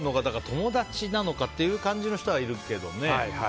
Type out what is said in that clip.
友達なのかっていう感じの人はいるけどね。